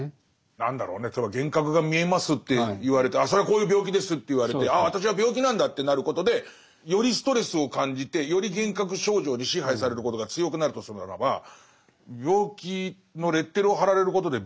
何だろうね例えば幻覚が見えますって言われてああそれはこういう病気ですと言われてああ私は病気なんだってなることでよりストレスを感じてより幻覚症状に支配されることが強くなるとするならば病気のレッテルを貼られることで病気が重くなっていくはちょっと分かる。